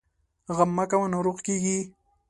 غم مه کوه ، ناروغ کېږې!